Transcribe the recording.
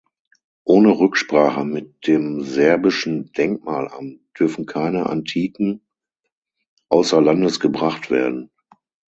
Ohne Rücksprache mit dem serbischen Denkmalamt dürfen keine Antiken außer Landes gebracht werden.